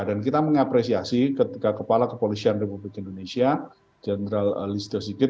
dan kita mengapresiasi ketika kepala kepolisian republik indonesia general listo sikit